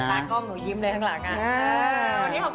ตากล้องหนูยิ้มเลยข้างหลัง